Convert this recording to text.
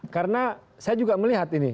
karena saya juga melihat ini